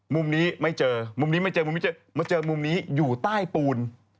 มุมนี้ไม่เจอมุมนี้ไม่เจอมุมนี้เจอมาเจอมุมนี้อยู่ใต้ปูน